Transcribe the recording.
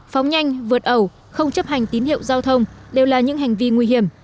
phóng nhanh vượt ẩu không chấp hành tín hiệu giao thông đều là những hành vi nguy hiểm